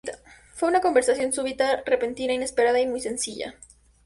Fue una conversión súbita, repentina, inesperada... y muy sencilla.